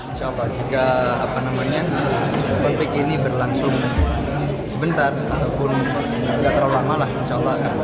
insya allah jika konflik ini berlangsung sebentar ataupun tidak terlalu lama